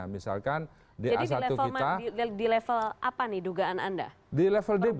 jadi di level apa nih dugaan anda